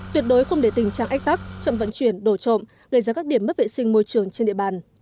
tuyệt đối không để tình trạng ách tắc chậm vận chuyển đổ trộm gây ra các điểm mất vệ sinh môi trường trên địa bàn